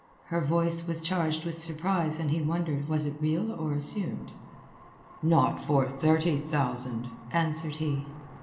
Her voice was charged with surprise, and he wondered was it real or assumed. "Not for thirty thousand," answered he.